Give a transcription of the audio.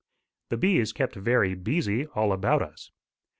The bees kept very beesy all about us.